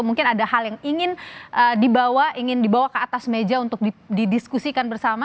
mungkin ada hal yang ingin dibawa ingin dibawa ke atas meja untuk didiskusikan bersama